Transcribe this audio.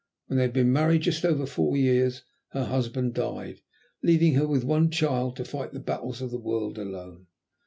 When they had been married just over four years her husband died, leaving her with one child to fight the battles of the world alone.